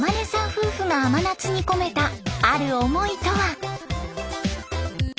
夫婦が甘夏に込めたある思いとは？